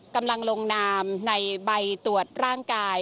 กำลังลงนามในใบตรวจร่างกาย